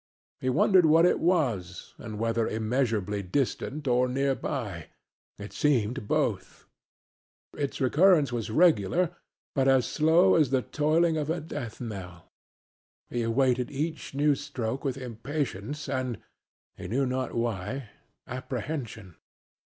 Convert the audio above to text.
He wondered what it was, and whether immeasurably distant or near by it seemed both. Its recurrence was regular, but as slow as the tolling of a death knell. He awaited each stroke with impatience and he knew not why apprehension.